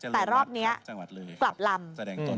แต่รอบนี้กลับลำ